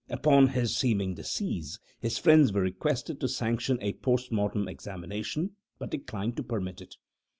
Upon his seeming decease, his friends were requested to sanction a post mortem examination, but declined to permit it.